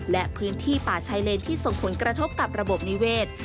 และพื้นที่ป่าชายเลนที่ส่งผลกระทบกับระบบนิเวศ